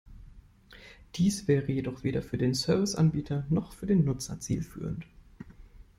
Dies wäre jedoch weder für den Service-Anbieter noch für den Nutzer zielführend.